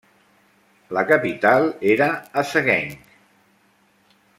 La capital era a Sagaing.